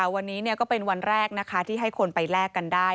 วันนี้ก็เป็นวันแรกที่ให้คนไปแลกกันได้